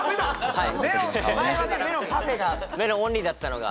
はい